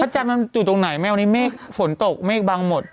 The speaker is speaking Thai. จันทร์นั้นอยู่ตรงไหนแม่วันนี้เมฆฝนตกเมฆบังหมด